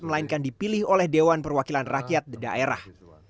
melainkan dipilih oleh dewan perwakilan rakyat daerah